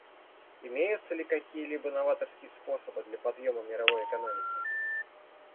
Имеются ли какие-либо новаторские способы для подъема мировой экономики?